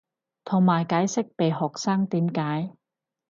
同埋解釋被學生點解